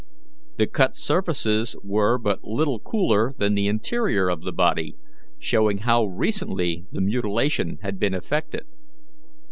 The cut surfaces were but little cooler than the interior of the body, showing how recently the mutilation had been effected.